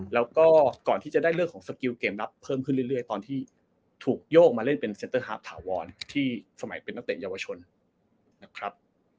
แล้วก็ก่อนที่จะได้เรื่องของสกิลเกมรับเพิ่มขึ้นเรื่อยตอนที่ถูกโยกมาเล่นเป็นเซ็นเตอร์ฮาร์ฟถาวรที่สมัยเป็นนักเตะเยาวชนนะครับ